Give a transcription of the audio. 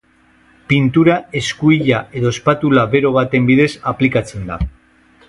Pintura eskuila edo espatula bero baten bidez aplikatzen da.